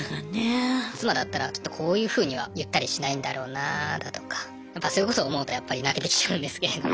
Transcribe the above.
妻だったらきっとこういうふうには言ったりしないんだろうなだとかやっぱそういうこと思うとやっぱり泣けてきちゃうんですけれども。